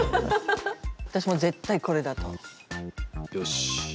私も絶対これだと。